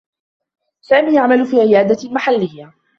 سامي يعمل في عيادة محلّيّة.